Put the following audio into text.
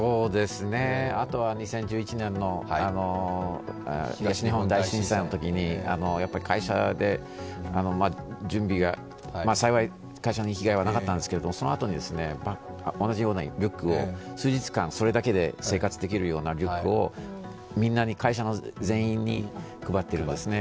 あとは２０１１年の東日本大震災のときやっぱり会社で準備が、幸い会社の被害はなかったんですけどそのあとに同じようなリュックを数日間、それだけで生活できるようなリュックを会社の全員に配ってますね。